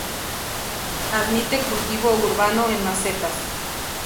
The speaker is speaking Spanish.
Admite cultivo urbano en macetas.